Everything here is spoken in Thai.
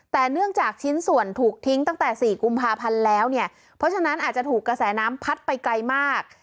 แต่เนื่องจากชิ้นส่วนถูกทิ้งตั้งแต่๔กุมภาพันธ์แล้วเนี่ยเพราะฉะนั้นอาจจะถูกกระแสน้ำพัดไปไกลมาก